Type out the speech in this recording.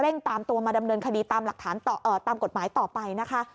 เร่งตามตัวมาดำเนินคดีตามหลักฐานต่อตามกฎหมายต่อไปนะคะ